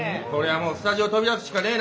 もうスタジオ飛び出すしかねえな。